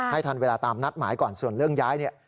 ทันเวลาตามนัดหมายก่อนส่วนเรื่องย้ายเนี่ย